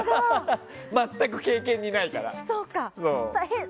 全く経験にないから。